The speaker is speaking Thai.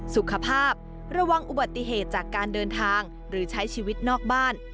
สุขภาพระวังอุบัติเหตุจากการเดินทางหรือใช้ชีวิตนอกบ้าน